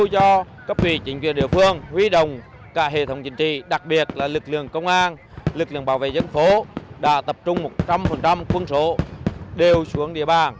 và hệ thống chính trị đặc biệt là lực lượng công an lực lượng bảo vệ dân phố đã tập trung một trăm linh quân số đều xuống địa bàn